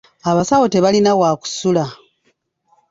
Abasawo tebalina waakusula.